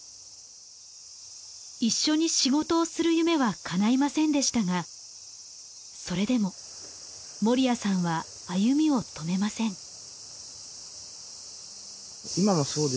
一緒に仕事をする夢はかないませんでしたがそれでも守屋さんは歩みを止めません。